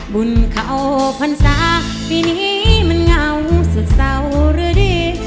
บุญเข้าพรรษาปีนี้มันเหงาสุดเศร้าหรือดี